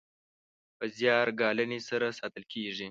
په زیار ګالنې سره ساتل کیږي.